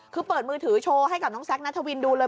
คือเปิดมือถือโชว์ให้กับน้องแซคนัทวินดูเลย